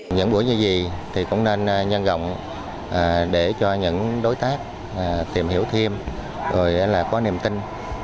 những buổi như gì thì cũng nên nhân rộng để cho những đối tác tìm hiểu thêm rồi là có niềm tin